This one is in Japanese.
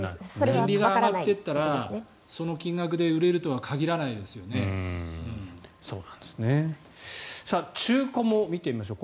金利が上がっていったらその金額で売れるとは中古も見てみましょう。